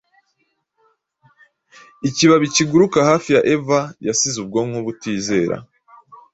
Ikibabi kiguruka hafi ya Eva Yasize Ubwonko butizera.